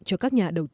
cho các nhà đầu tư